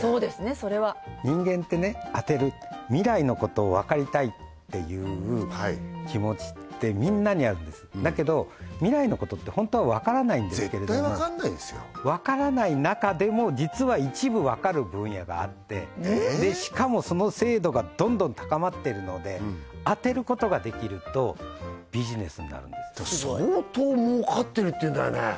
それは人間ってね当てる未来のことをわかりたいっていう気持ちってみんなにあるんですだけど未来のことって本当はわからないんですけれどもわからない中でも実は一部わかる分野があってしかもその精度がどんどん高まってるので当てることができるとビジネスになるんです相当儲かってるっていうんだよね